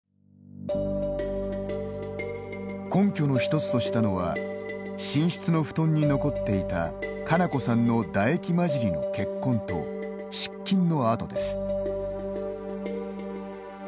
根拠の一つとしたのは寝室の布団に残っていた佳菜子さんの唾液混じりの血痕と失禁の痕です。